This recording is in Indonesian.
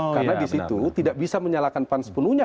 karena disitu tidak bisa menyalakan pan sepenuhnya